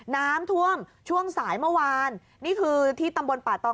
น้ำท่วมช่วงสายเมื่อวานนี่คือที่ตำบลป่าตอง